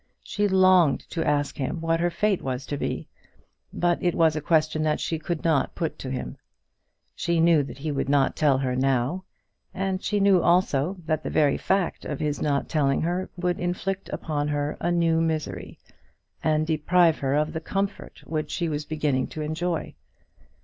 She longed to ask him what her fate was to be, but it was a question that she could not put to him. She knew that he would not tell her now; and she knew also that the very fact of his not telling her would inflict upon her a new misery, and deprive her of the comfort which she was beginning to enjoy.